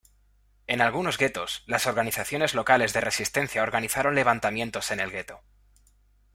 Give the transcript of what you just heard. En algunos guetos, las organizaciones locales de resistencia organizaron levantamientos en el gueto.